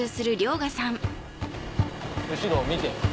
後ろ見て。